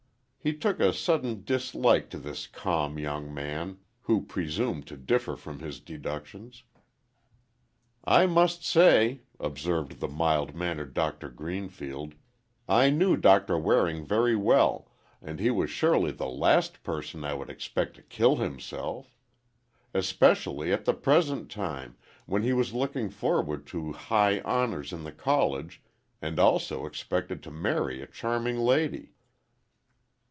He took a sudden dislike to this calm young man, who presumed to differ from his deductions. "I must say," observed the mild mannered Doctor Greenfield, "I knew Doctor Waring very well, and he was surely the last person I would expect to kill himself. Especially at the present time—when he was looking forward to high honors in the College and also expected to marry a charming lady."